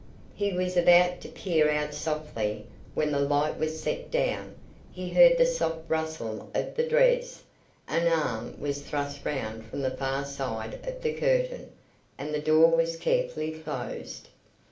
He was about to peer out softly, when the light was set down, he heard the soft rustle of the dress, an arm was thrust round from the far side of the curtain, and the door was carefully closed.